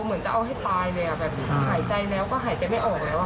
เหมือนจะเอาให้ตายเลยอ่ะแบบหายใจแล้วก็หายใจไม่ออกแล้ว